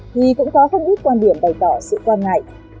thì cũng có không ít quan điểm bày tỏ sự quan ngại